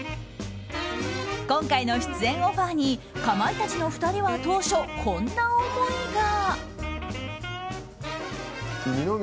今回の出演オファーにかまいたちの２人は当初、こんな思いが。